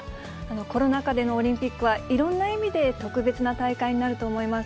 コロナ禍でのオリンピックは、いろんな意味で特別な大会になると思います。